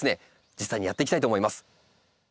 実際にやっていきたいと思います。